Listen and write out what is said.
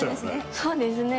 そうですね。